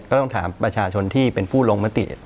ก็ต้องถามประชาชนที่เป็นผู้ลงมติ